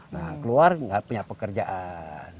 nah keluar nggak punya pekerjaan